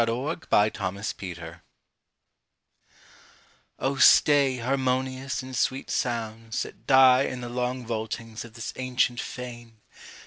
Oh, stay, harmonious and sweet sounds, that die In the long vaultings of this ancient fane!